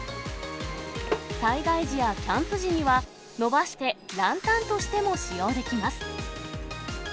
災害時やキャンプ時には、伸ばしてランタンとしても使用できます。